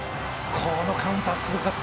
このカウンターすごかった！